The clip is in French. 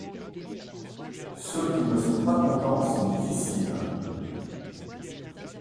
Ceux qui ne sont pas contents sont difficiles.